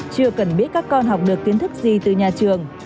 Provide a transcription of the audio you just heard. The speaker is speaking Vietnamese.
chưa cần biết các con học được kiến thức gì từ nhà trường